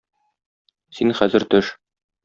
Син хәзер төш.